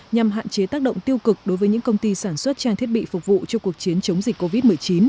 nhằm hạn chế tác động tiêu cực đối với những công ty sản xuất trang thiết bị phục vụ cho cuộc chiến chống dịch covid một mươi chín